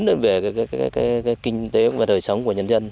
để cái kinh tế và đời sống của nhân dân